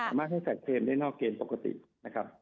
สามารถให้จัดเกมได้นอกเกณฑ์ปกตินะครับ